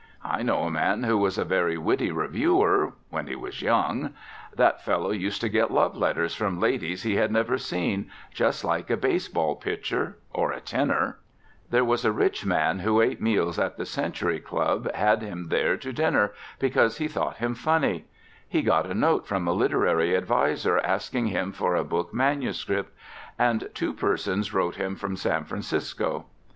I know a man who was a very witty reviewer (when he was young); that fellow used to get love letters from ladies he had never seen, just like a baseball pitcher, or a tenor; there was a rich man who ate meals at the Century Club had him there to dinner, because he thought him funny; he got a note from a Literary Adviser asking him for a book manuscript; and two persons wrote him from San Francisco.